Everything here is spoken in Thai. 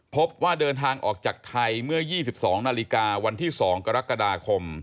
พบว่าเดินทางออกจากไทยเมื่อ๒๒นาฬิกาวันที่๒กรกฎาคม